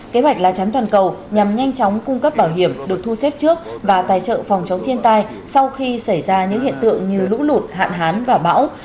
kế hoạch lá chắn toàn cầu nhằm nhanh chóng cung cấp bảo hiểm được thu xếp trước và tài trợ phòng chống thiên tai sau khi xảy ra những hiện tượng như lũ lụt hạn hán và bão